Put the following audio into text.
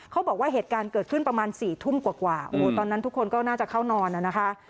เขาบอกว่าเหตุการณ์เกิดขึ้นประมาณ๔ทุ่มกว่าตอนนั้นทุกคนก็น่าจะเข้านอนนะคะ